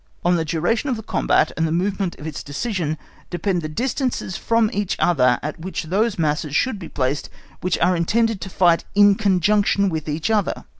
On the duration of the combat and the moment of its decision depend the distances from each other at which those masses should be placed which are intended to fight in conjunction with each other.